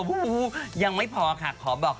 อย่ารู้นานเดี๋ยวเกิดอารมณ์